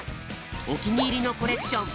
おきにいりのコレクション